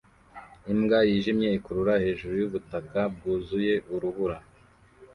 Imbwa yijimye ikururahejuru yubutaka bwuzuye urubura